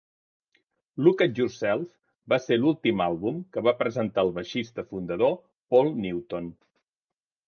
"Look at Yourself" va ser l'últim àlbum que va presentar el baixista fundador Paul Newton.